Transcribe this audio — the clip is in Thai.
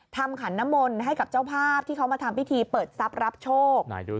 ขันน้ำมนต์ให้กับเจ้าภาพที่เขามาทำพิธีเปิดทรัพย์รับโชค